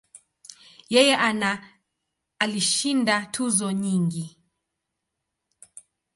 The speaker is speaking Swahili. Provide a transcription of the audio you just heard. Yeye ana alishinda tuzo nyingi.